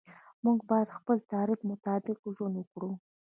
موږ باید د خپل تعریف مطابق ژوند وکړو.